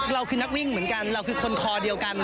คือนักวิ่งเหมือนกันเราคือคนคอเดียวกัน